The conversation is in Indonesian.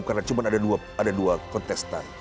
karena cuma ada dua kontestan